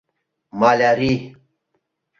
— Малярий.